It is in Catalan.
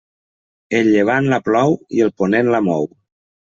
El llevant la plou i el ponent la mou.